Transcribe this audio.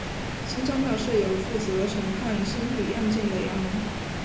新召庙设有负责审判僧俗案件的衙门。